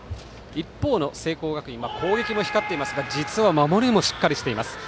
一方の聖光学院は攻撃も光っていますが実は守りもしっかりしています。